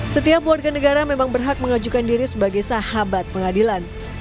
setiap warga negara memang berhak mengajukan diri sebagai sahabat pengadilan